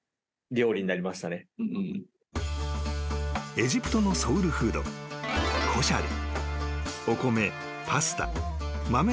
［エジプトのソウルフードコシャリ］